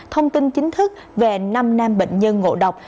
thông tin chính thức về năm nam bệnh nhân ngộ độc